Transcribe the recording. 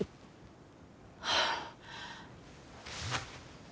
はあ。